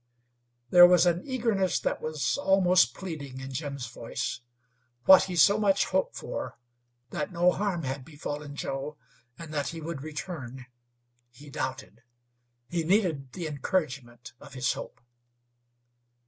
There was an eagerness that was almost pleading in Jim's voice. What he so much hoped for that no harm had befallen Joe, and that he would return he doubted. He needed the encouragement of his hope.